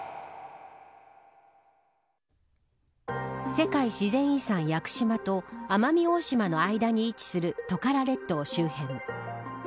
世界自然遺産、屋久島と奄美大島の間に位置するトカラ列島周辺。